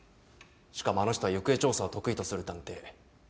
しかもあの人は行方調査を得意とする探偵。